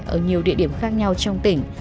ở nhiều địa điểm khác nhau trong tỉnh